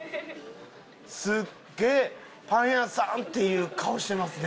すっげえ「パン屋さん！」っていう顔してますね。